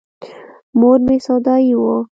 مور مې سودايي وه.